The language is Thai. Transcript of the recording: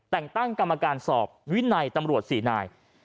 แต่งตั้งกรรมการสอบวินัยตำรวจ๔นาย